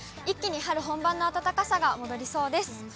一気に春本番の暖かさが戻りそうです。